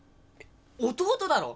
弟だろ！？